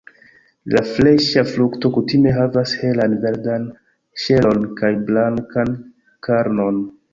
La freŝa frukto kutime havas helan verdan ŝelon kaj blankan karnon.